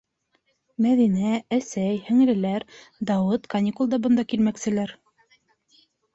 - Мәҙинә әсәй, һеңлеләр, Дауыт каникулда бында килмәкселәр.